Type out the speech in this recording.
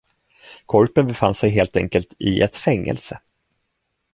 Korpen befann sig helt enkelt i ett fängelse.